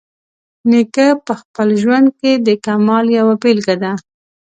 نیکه په خپل ژوند کې د کمال یوه بیلګه ده.